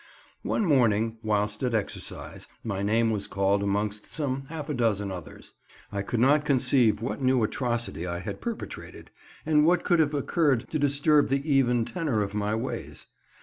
One morning, whilst at exercise, my name was called amongst some half a dozen others. I could not conceive what new atrocity I had perpetrated, and what could have occurred to disturb the even tenor of my ways.